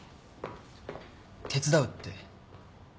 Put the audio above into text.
手伝うって？